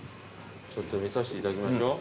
ちょっと見させていただきましょう。